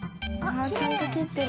ちゃんと切ってる。